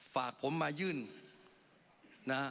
ฝากผมมายื่นนะ